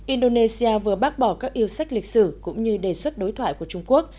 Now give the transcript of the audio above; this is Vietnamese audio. indonesia vừa bác bỏ các yêu sách lịch sử cũng như đề xuất đối thoại của trung quốc